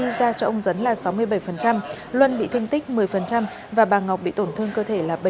trong lúc đánh nhau thương tật mà phước gây ra ông dấn là sáu mươi bảy luân bị thương tích một mươi và bà ngọc bị tổn thương cơ thể là bảy